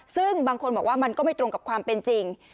ซึ่งบางคนบอกว่ามันก็ไม่ตรงกับความเป็นจริง